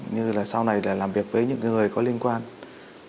như là sau này là làm việc với những người có liên quan đến các bị can